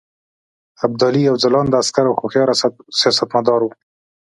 ابدالي یو ځلانده عسکر او هوښیار سیاستمدار وو.